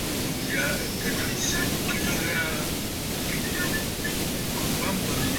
Wa mbəŋ yâ ɨ̀ kɨ nàŋsə ntwìʼi gha aa tswìʼì.